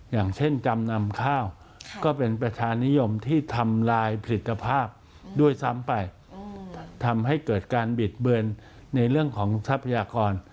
ทำให้เกิดการบิดเบินในเรื่องของทรัพยากร